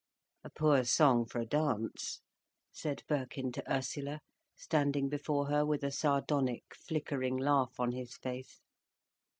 "A poor song for a dance," said Birkin to Ursula, standing before her with a sardonic, flickering laugh on his face.